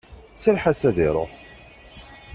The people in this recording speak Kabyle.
Serreḥ-as ad iruḥ!